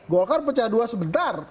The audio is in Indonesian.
golkar pecah dua sebentar